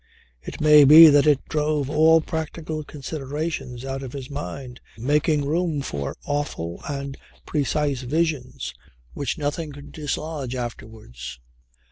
It may be that it drove all practical considerations out of his mind, making room for awful and precise visions which nothing could dislodge afterwards.